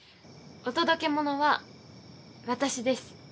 お届け物は私です。